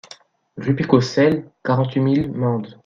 Rue Picaucel, quarante-huit mille Mende